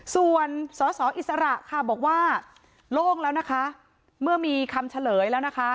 ส่วนสอสออิสระค่ะบอกว่าโล่งแล้วนะคะเมื่อมีคำเฉลยแล้วนะคะ